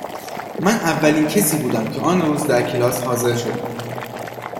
من اولین کسی بودم که آن روز در کلاس حاضر شدم.